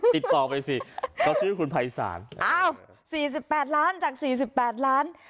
ติดต่อไปสิเขาชื่อคุณภัยศาลอ้าว๔๘ล้านจาก๔๘ล้าน